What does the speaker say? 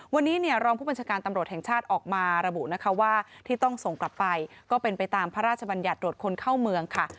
วันนี้เนี่ยรองผู้บัญชาการตำรวจแห่งชาติออกมาระบุนะคะว่าที่ต้องส่งกลับไปก็เป็นไปตามพระราชบัญญัติตรวจคนเข้าเมืองค่ะ